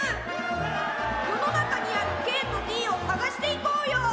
世の中にあるＫとＴを探していこうよ！